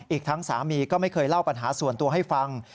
อีกทั้งสามีก็ไม่เคยเล่าปัญหาส่วนตัวให้ฟัง